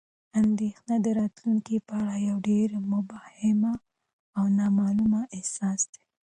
اندېښنه د راتلونکي په اړه یو ډېر مبهم او نامعلوم احساس دی.